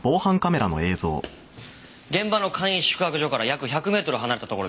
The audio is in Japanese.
現場の簡易宿泊所から約１００メートル離れたところです。